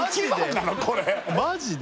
マジで？